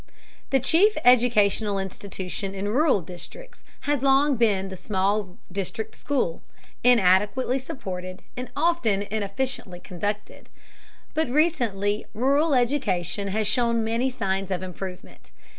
The chief educational institution in rural districts has long been the small district school, inadequately supported and often inefficiently conducted. But recently rural education has shown many signs of improvement.